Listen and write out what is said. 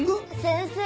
先生。